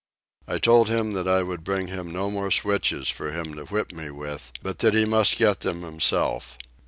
I told him that I would bring him no more switches for him to whip me with, but that he must get them himself.